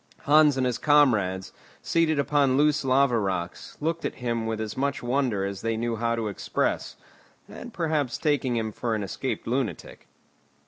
Hans and his comrades, seated upon loose lava rocks, looked at him with as much wonder as they knew how to express, and perhaps taking him for an escaped lunatic.